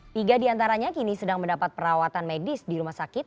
tiga diantaranya kini sedang mendapat perawatan medis di rumah sakit